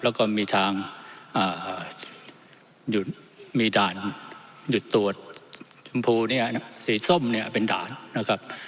แล้วก็มีทางมีด่านหยุดตรวจชมพูเนี่ยสีส้มเนี่ยเป็นด่านนะครับ